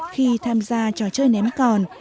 khi tham gia trò chơi ném còn